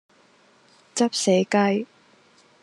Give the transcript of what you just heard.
執死雞